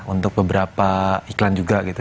untuk beberapa iklan juga gitu